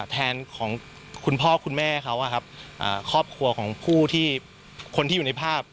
แทนของคุณพ่อคุณแม่เขาครอบครัวของผู้ที่คนที่อยู่ในภาพ